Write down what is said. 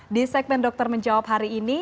di segmen dokter menjawab hari ini